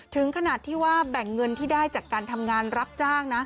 ถึงขนาดที่ว่าแบ่งเงินที่ได้จากการทำงานรับจ้างนะ